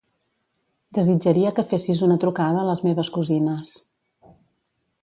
Desitjaria que fessis una trucada a les meves cosines.